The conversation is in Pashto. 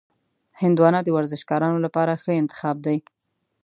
هندوانه د ورزشکارانو لپاره ښه انتخاب دی.